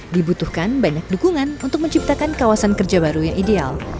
dibutuhkan banyak dukungan untuk menciptakan kawasan kerja baru yang ideal